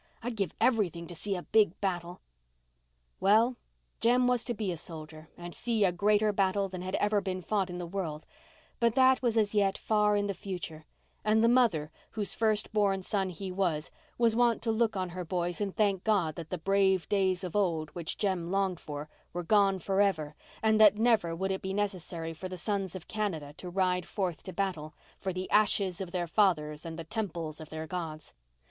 I'd give everything to see a big battle." Well, Jem was to be a soldier and see a greater battle than had ever been fought in the world; but that was as yet far in the future; and the mother, whose first born son he was, was wont to look on her boys and thank God that the "brave days of old," which Jem longed for, were gone for ever, and that never would it be necessary for the sons of Canada to ride forth to battle "for the ashes of their fathers and the temples of their gods."